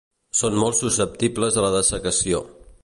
Són molt susceptibles a la dessecació.